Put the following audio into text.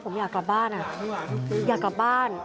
ผมอยากกลับบ้านอยากกลับบ้าน